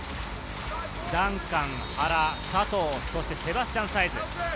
ダンカン、原、佐藤、そしてセバスチャン・サイズ。